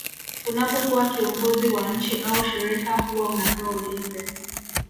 unapokuwa kiongozi wa nchi au shirika huwa unapewa ulinzi